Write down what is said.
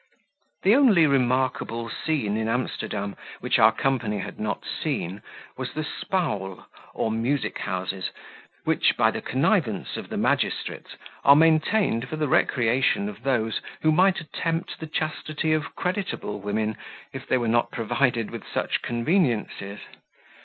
The only remarkable scene in Amsterdam, which our company had not seen, was the Spuyl or music houses, which, by the connivance of the magistrates, are maintained for the recreation of those who might attempt the chastity of creditable women, if they were not provided with such conveniences.